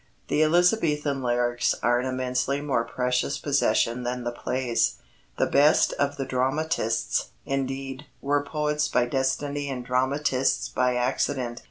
The Elizabethan lyrics are an immensely more precious possession than the plays. The best of the dramatists, indeed, were poets by destiny and dramatists by accident.